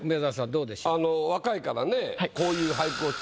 どうでしょう？